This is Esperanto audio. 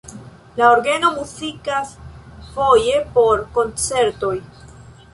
La orgeno muzikas foje por koncertoj.